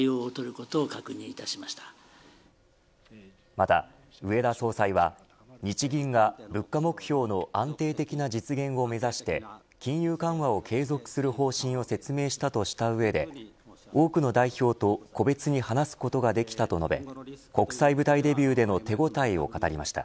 また植田総裁は日銀が物価目標の安定的な実現を目指して金融緩和を継続する方針を説明したとした上で多くの代表と個別に話すことができたと述べ国際舞台デビューでの手応えを語りました。